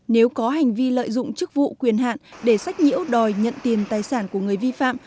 nếu có hành vi lợi dụng chức vụ quyền hạn để sách nhiễu đòi nhận tiền tài sản của người vi phạm